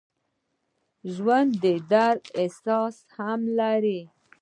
ژوندي د درد احساس هم لري